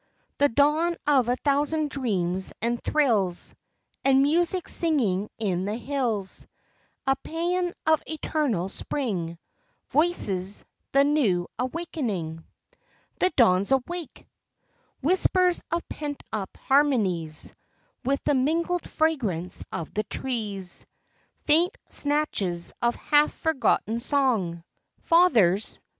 The dawn of a thousand dreams and thrills. And music singing in the hills A paean of eternal spring Voices the new awakening. The Dawn's awake! Whispers of pent up harmonies, With the mingled fragrance of the trees; Faint snatches of half forgotten song Fathers!